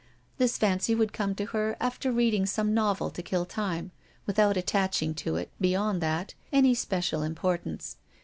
This fancy would come to her after reading some novel to kill time, without attaching to it, beyond that, any special importance.